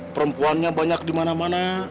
perempuannya banyak dimana mana